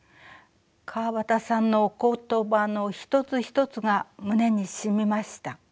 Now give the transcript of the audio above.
川端さんのお言葉の一つ一つが胸にしみました。